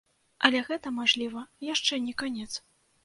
Але гэта, мажліва, яшчэ не канец.